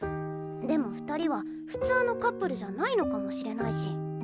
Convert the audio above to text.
でも二人は普通のカップルじゃないのかもしれないし。